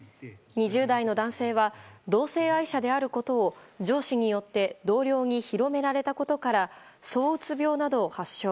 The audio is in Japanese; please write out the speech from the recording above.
２０代の男性は同性愛者であることを上司によって同僚に広められたことから躁うつ病などを発症。